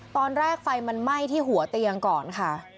ตอนแรกไฟมันไหม้ที่หัวเตียงก่อนค่ะ